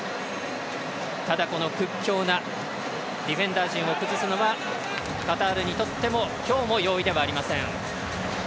ただ、屈強なディフェンダー陣を崩すのはカタールにとっても今日も容易ではありません。